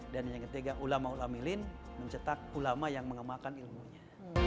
dan yang ketiga ulama ulama ilin mencetak ulama yang mengemahkan ilmunya